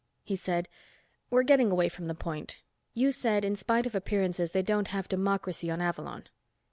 He said, "We're getting away from the point. You said in spite of appearances they don't have democracy on Avalon."